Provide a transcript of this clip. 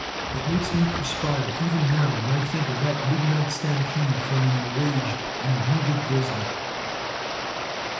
It makes me perspire even now when I think of that midnight stampede from an enraged and wounded grizzly.